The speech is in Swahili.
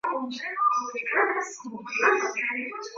wafanyikazi wa bei rahisi katika Ulaya Magharibi Kusikia